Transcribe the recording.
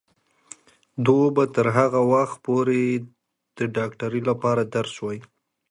دوی به تر هغه وخته پورې د ډاکټرۍ لپاره درس وايي.